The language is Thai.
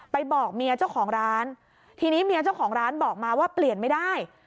บอกเมียเจ้าของร้านทีนี้เมียเจ้าของร้านบอกมาว่าเปลี่ยนไม่ได้